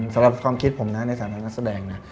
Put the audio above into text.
สำหรับความคิดผมนะในฐานะนักแสดงนะ